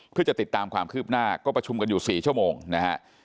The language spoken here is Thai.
เพื่อจะติดตามความคืบหน้าก็ประชุมกันอยู่๔ชั่วโมงนะฮะ